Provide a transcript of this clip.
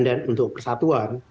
dan untuk persatuan